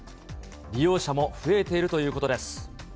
利用者も増えているということです。